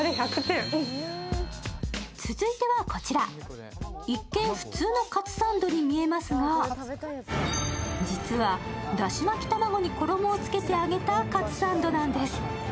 続いてはこちら、一見、普通のカツサンドに見えますが実はダシ巻き玉子に衣をつけて揚げたカツサンドなんです。